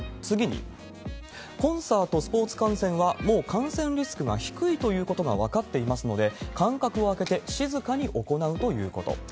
次に、コンサート、スポーツ観戦は、もう感染リスクが低いということが分かっていますので、間隔を空けて静かに行うということ。